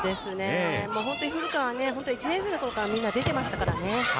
古川は１年生のころからみんな出てましたからね。